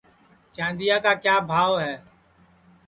چاندیا کا کیا بھاو ہے